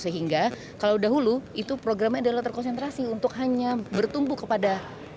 sehingga kalau dahulu itu programnya adalah terkonsentrasi untuk hanya bertumpu kepada